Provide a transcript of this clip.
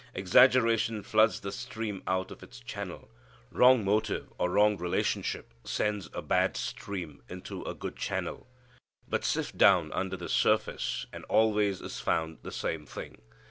Exaggeration floods the stream out of its channel. Wrong motive or wrong relationship sends a bad stream into a good channel. But sift down under the surface and always is found the same thing.